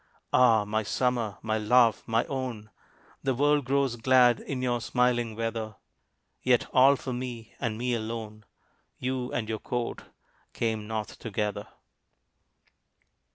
Ah, my Summer my love my own! The world grows glad in your smiling weather; Yet all for me, and me alone, You and your Court came north together.